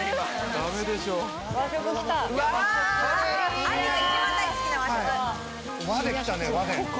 和で来たね。